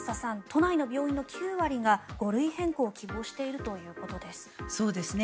都内の病院の９割が５類変更を希望しているということです。